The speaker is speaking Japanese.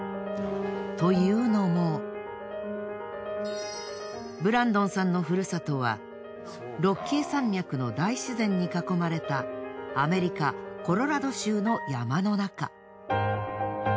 というのもブランドンさんのふるさとはロッキー山脈の大自然に囲まれたアメリカ・コロラド州の山の中。